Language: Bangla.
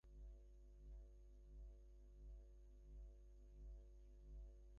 পাদ্রি কি ওর মা-বাপ, না ওর প্রাণরক্ষা করেছে?